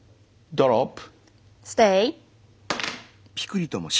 ドロップ。